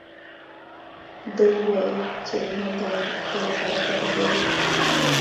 ده وويل چې لمر زما د پښې لپاره ګټه لري.